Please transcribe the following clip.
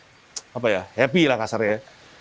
lebih apa ya happy lah kasarnya